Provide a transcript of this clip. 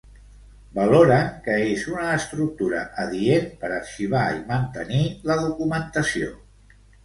Valoren que és una estructura adient per arxivar i mantenir la documentació.